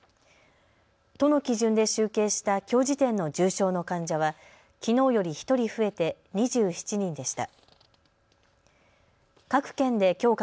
都の基準で集計したきょう時点の重症の患者はきのうより１人増えて２７人でした。